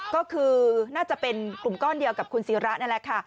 ก็คือน่าจะเป็นกลุ่มก้อนเดียวกับคุณศิระนั่นแหละค่ะ